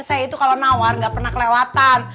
saya itu kalau nawar nggak pernah kelewatan